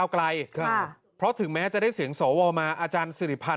ไปรวมเสียงสอมาให้ได้๓๗๖